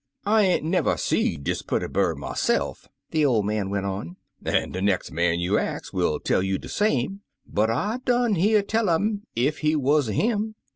"I ain't never is seed dis purty bird myse'f," the old man went on, " an' de nex' man you ax will tell you de same; but I done hear tell im 'im — ^f he wuz a him.